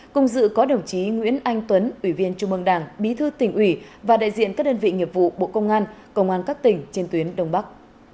cùng dự có đồng chí nguyễn anh tuấn ủy viên trung mương đảng bí thư tỉnh ủy và đại diện các đơn vị nghiệp vụ bộ công an công an các tỉnh trên tuyến đông bắc